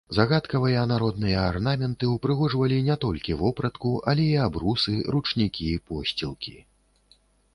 Загадкавыя народныя арнаменты ўпрыгожвалі не толькі вопратку, але і абрусы, ручнікі, посцілкі.